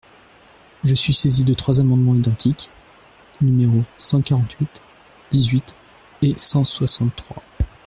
Je suis saisie de trois amendements identiques, numéros cent quarante-huit, dix-huit et cent soixante-trois.